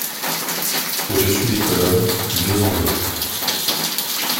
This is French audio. Au dessus des colonnes : deux angelots.